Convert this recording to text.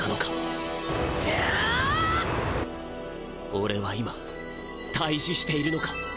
俺は今対じしているのか？